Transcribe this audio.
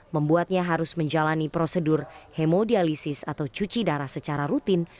membuatnya harus menjalani prosedur hemodialisis atau cuci darah secara rutin